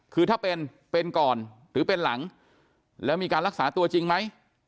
คือถ้าเป็นเป็นก่อนหรือเป็นหลังแล้วมีการรักษาตัวจริงไหม